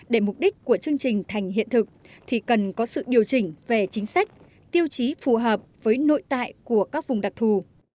để mục đích của chương trình thành hiện thực thì cần có sự điều chỉnh về chính sách tiêu chí phù hợp với nội tại của các vùng đặc thù